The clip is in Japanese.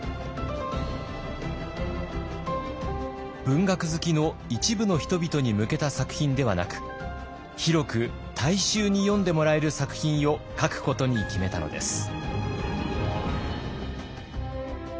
文学好きの一部の人々に向けた作品ではなく広く大衆に読んでもらえる作品を書くことに決めたのです。